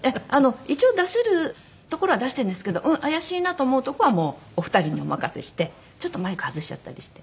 一応出せるところは出してるんですけど怪しいなと思うとこはもうお二人にお任せしてちょっとマイク外しちゃったりして。